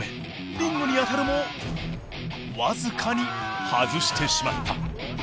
リングに当たるも僅かに外してしまった。